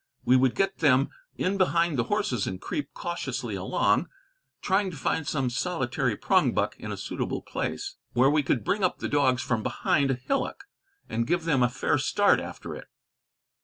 We would get them in behind the horses and creep cautiously along, trying to find some solitary prongbuck in a suitable place, where we could bring up the dogs from behind a hillock, and give them a fair start after it.